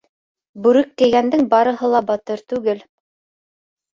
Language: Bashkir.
Бүрек кейгәндең бары ла батыр түгел.